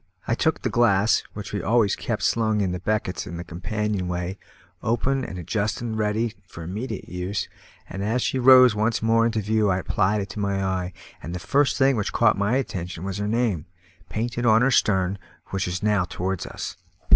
I took the glass, which we always kept slung in beckets in the companion way, open and adjusted ready for immediate use, and as she rose once more into view I applied it to my eye, and the first thing which caught my attention was her name, painted on her stern, which was now towards us.